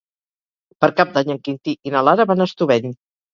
Per Cap d'Any en Quintí i na Lara van a Estubeny.